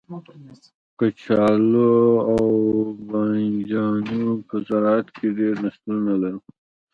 کچالو او بنجانو په زرعت کې ډیر نسلونه لرو